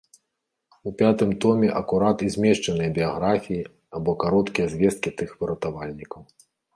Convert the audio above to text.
У пятым томе акурат і змешчаныя біяграфіі або кароткія звесткі тых выратавальнікаў.